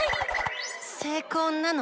成功なの？